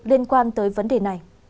liên quan tới vấn đề này